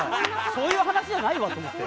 そういう話じゃないわと思って。